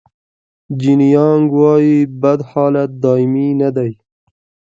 جیني یانګ وایي بد حالت دایمي نه دی.